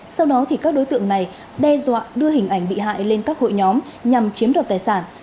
sau đó các đối tượng này đe dọa đưa hình ảnh bị hại lên các hội nhóm nhằm chiếm đoạt tài sản